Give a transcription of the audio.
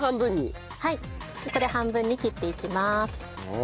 これ半分に切っていきます。